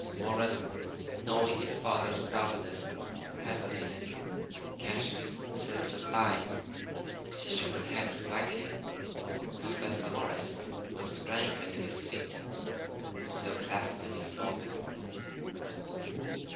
Warren, knowing his father's stubbornness, hesitated. Catching his sister's eye, she shook her head slightly. Professor Morris was scrambling to his feet, still clasping his book.